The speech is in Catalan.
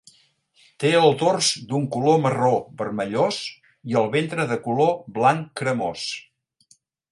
Té el dors d'un color marró vermellós i el ventre de color blanc cremós.